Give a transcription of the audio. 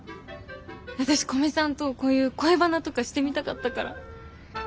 私古見さんとこういう恋バナとかしてみたかったから。